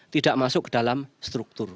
tidak masuk ke dalam struktur